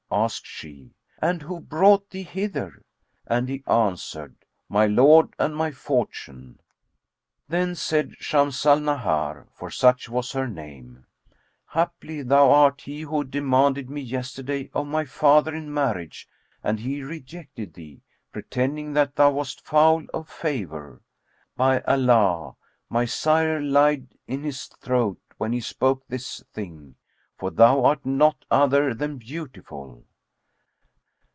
Asked she, "And who brought thee hither?" and he answered, "My Lord and my fortune." Then said Shams al Nahαr[FN#14] (for such was her name), "Haply thou art he who demanded me yesterday of my father in marriage and he rejected thee, pretending that thou wast foul of favour. By Allah, my sire lied in his throat when he spoke this thing, for thou art not other than beautiful."